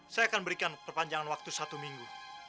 saya akan berikan perpanjangan waktu satu minggu